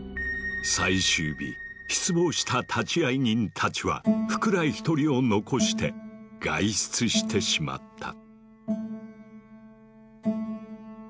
失望した立会人たちは福来一人を残して外出してしまった。